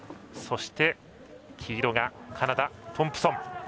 そして、黄色がカナダトンプソン。